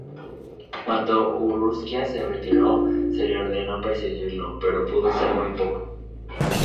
Cuando Urquiza se retiró, se le ordenó perseguirlo, pero pudo hacer muy poco.